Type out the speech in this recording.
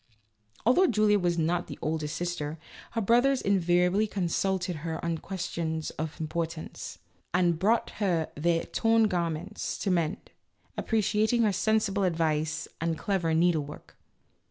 Although Julia was not the oldest sister, her brothers invariably consulted her on questions of importance, and brought her their torn garments to mend, appreciating her sensible advice and clever needle work.